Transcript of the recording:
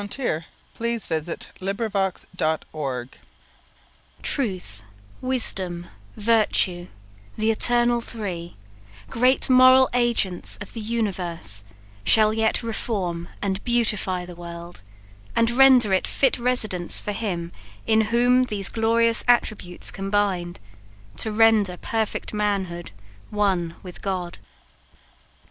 CHAPTER III Free Schools Thoughts on Education "Truth, Wisdom, Virtue the eternal three, Great moral agents of the universe Shall yet reform and beautify the world, And render it fit residence for Him In whom these glorious attributes combined, To render perfect manhood one with God!"